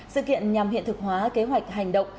sự kiện nhằm hiện thực hóa kế hoạch hành động